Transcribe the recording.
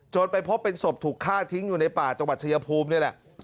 ไปพบเป็นศพถูกฆ่าทิ้งอยู่ในป่าจังหวัดชายภูมินี่แหละ